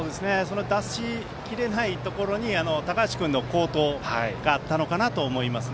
出し切れないところに高橋君の好投があったと思います。